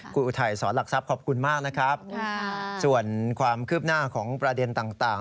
คุณอุทัยสอนหลักทรัพย์ขอบคุณมากนะครับส่วนความคืบหน้าของประเด็นต่าง